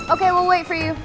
oke kita tunggu lo